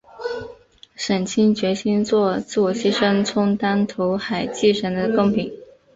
沈清决心作自我牺牲充当投海祭神的供品。